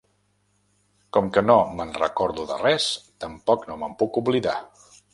Com que no me'n recordo de res, tampoc no me'n puc oblidar.